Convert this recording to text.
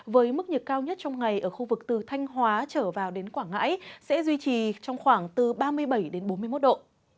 với mức nhiệt cao nhất trong ngày ở khu vực từ thanh hóa trở vào đến quảng ngãi sẽ duy trì trong khoảng từ ba mươi bảy bốn mươi một độ